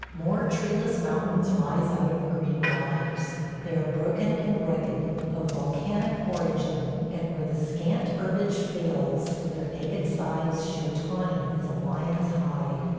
... More treeless mountains rise out of the green waters. They are broken and rugged; of volcanic origin; and where the scant herbage fails their naked sides show tawny as a lion's hide.